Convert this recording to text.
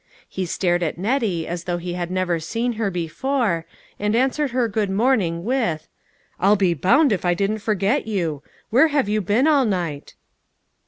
He stared at Nettie as though he had never seen her before, and answered her good morning, with :" I'll be bound if I didn't forget you ! Where have you been all night